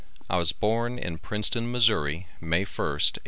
I was born in Princeton, Missourri, May 1st, 1852.